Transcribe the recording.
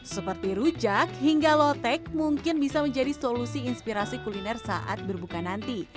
seperti rujak hingga lotek mungkin bisa menjadi solusi inspirasi kuliner saat berbuka nanti